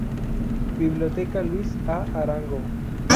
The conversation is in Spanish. Biblioteca Luis A. Arango.